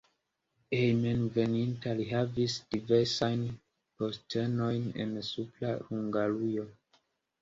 Hejmenveninta li havis diversajn postenojn en Supra Hungarujo.